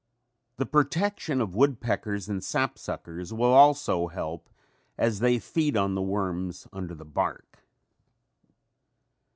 The protection of woodpeckers and sapsuckers will also help as they feed on the worms under the bark.